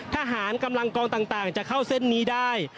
กำลังกองต่างจะเข้าเส้นนี้ได้